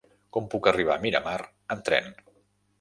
Com puc arribar a Miramar amb tren?